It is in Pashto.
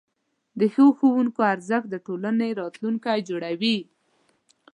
د ښو ښوونکو ارزښت د ټولنې راتلونکی جوړوي.